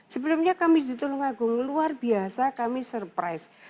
sebelumnya kami ditolong agung luar biasa kami surprise